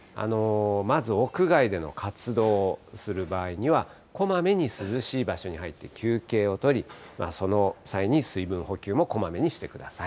まず屋外での活動する場合には、こまめに涼しい場所に入って休憩を取り、その際に水分補給もこまめにしてください。